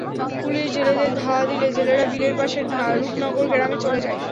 Police জেলেদের ধাওয়া দিলে জেলেরা বিলের পাশের রূপনগর গ্রামে চলে যায়।